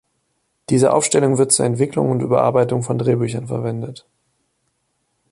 Diese Aufstellung wird zur Entwicklung und Überarbeitung von Drehbüchern verwendet.